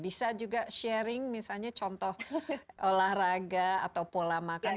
bisa juga sharing misalnya contoh olahraga atau pola makan